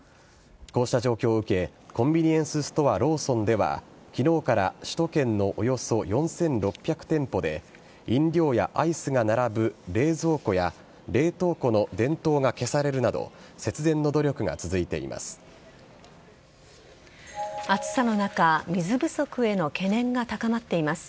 こうした状況を受けコンビニエンスストアローソンでは昨日から首都圏のおよそ４６００店舗で飲料やアイスが並ぶ冷蔵庫や冷凍庫の電灯が消されるなど節電の努力が続いています。